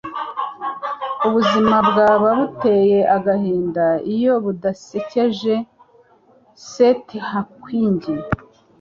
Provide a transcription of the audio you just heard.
Ubuzima bwaba buteye agahinda iyo budasekeje.” - Stephen Hawking